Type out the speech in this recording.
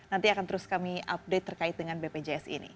nanti akan terus kami update terkait dengan bpjs ini